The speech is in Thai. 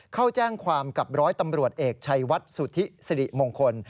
เข้าแจ้งความกับร้อยตำรวจเอกชัยวัดสุธิสิริมงคล